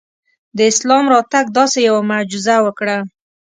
د اسلام راتګ داسې یوه معجزه وکړه.